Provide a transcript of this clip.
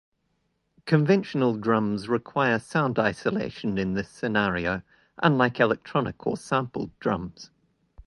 Conventional drums require sound isolation in this scenario, unlike electronic or sampled drums.